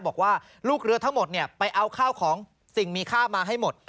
บอกว่าลูกเรือทั้งหมดไปเอาข้าวของสิ่งมีค่ามาให้หมด